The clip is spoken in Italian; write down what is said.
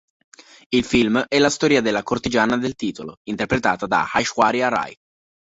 Il film è la storia della cortigiana del titolo, interpretata da Aishwarya Rai.